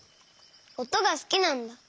おとがすきなんだ。